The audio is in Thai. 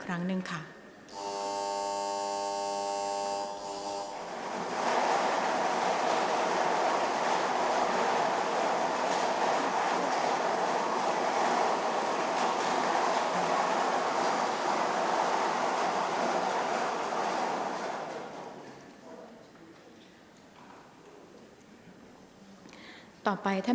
ออกรางวัลเลขหน้า๓ตัวครั้งที่๑ค่ะ